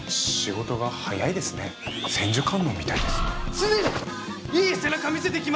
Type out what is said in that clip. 常にいい背中見せていきますんで！